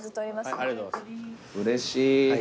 うれしい。